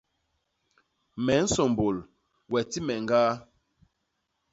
Me nsômbôl, we ti me ñgaa.